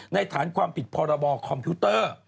ฐานความผิดพรบคอมพิวเตอร์